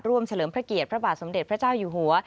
เฉลิมพระเกียรติพระบาทสมเด็จพระเจ้าอยู่หัว